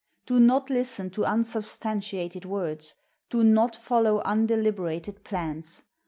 Do not listen to unsubstantiated words; do not follow undeliberated plans.